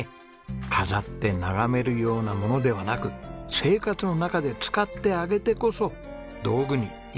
飾って眺めるようなものではなく生活の中で使ってあげてこそ道具に命が宿る。